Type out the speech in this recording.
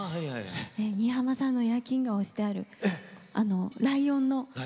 新浜さんの焼き印が押してある、ライオンの。